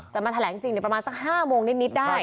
แต่มาแถลงจริงประมาณสัก๕โมงนิดได้